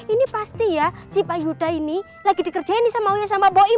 ini pasti ya si pak yudha ini lagi dikerjain sama uya sama mbak boim